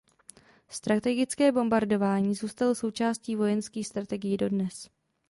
Strategické bombardování zůstalo součástí vojenských strategií dodnes.